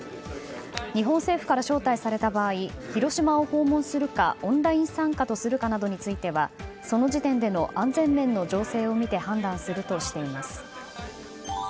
日本政府から招待された場合広島を訪問するかオンライン参加とするかなどについてはその時点での安全面の情勢を見て判断するとしています。